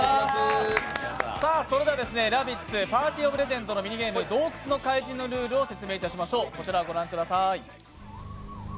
それでは「ラビッツ：パーティー・オブ・レジャエンド」のミニゲーム、「洞窟の怪人」のルールを説明しましょう。